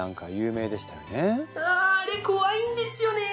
ああれ怖いんですよね！